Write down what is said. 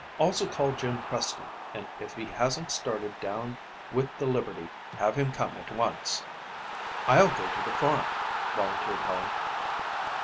Also call Jim Preston and if he hasn't started down with the Liberty, have him come at once." "I'll go to the farm," volunteered Helen.